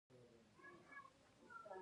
افغانستان کې د پامیر په اړه زده کړه کېږي.